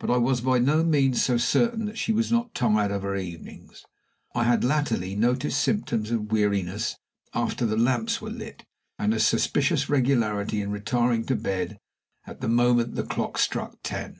But I was by no means so certain that she was not tired of her evenings. I had latterly noticed symptoms of weariness after the lamps were lit, and a suspicious regularity in retiring to bed the moment the clock struck ten.